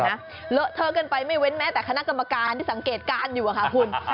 เลอะเทอะกันไปไม่เว้นแม้แต่คณะกรรมการที่สังเกตการณ์อยู่ค่ะคุณ